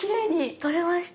取れました。